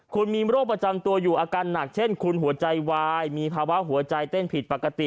คุณมีโรคประจำตัวอยู่อาการหนักเช่นคุณหัวใจวายมีภาวะหัวใจเต้นผิดปกติ